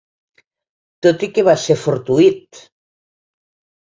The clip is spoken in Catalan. Tot i que va ser fortuït.